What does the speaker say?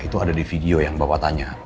itu ada di video yang bapak tanya